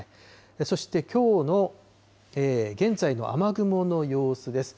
そして、きょうの現在の雨雲の様子です。